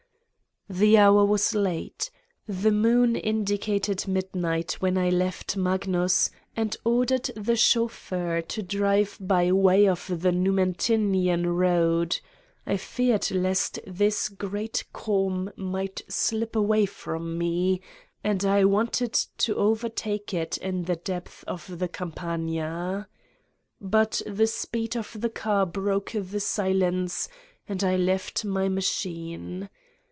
The hour was late. The moon indicated mid night when I left Magnus and ordered the chauffeur to drive by way of the Numentinian road: I feared lest this great calm might slip away from me, and I wanted to overtake it in the depths of the Campagna. But the speed of the car broke the silence and I left my machine.